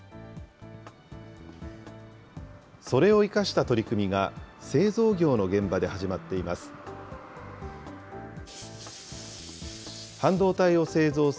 それを生かした取り組みが、製造業の現場で始まっています。